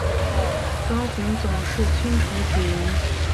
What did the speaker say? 张鸿藻是清朝举人。